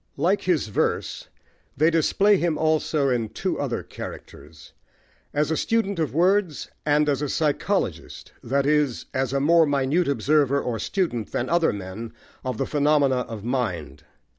Like his verse, they display him also in two other characters as a student of words, and as a psychologist, that is, as a more minute observer or student than other men of the phenomena of mind.